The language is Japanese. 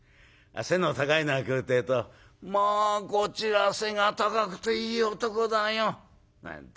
背の高いのが来るってえと「まあこちら背が高くていい男だよ」なんて。